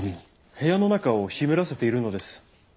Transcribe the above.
部屋の中を湿らせているのです。